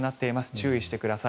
注意してください。